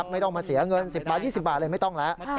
ไม่ต้องมาเสียเงิน๑๐บาท๒๐บาทเลยไม่ต้องแล้ว